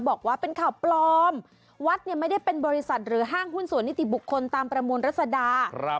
บอกว่าเป็นข่าวปลอมวัดเนี่ยไม่ได้เป็นบริษัทหรือห้างหุ้นส่วนนิติบุคคลตามประมวลรัศดา